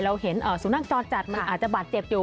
เราเห็นสู่นั่งจอดจัดอาจจะบัดเจ็บอยู่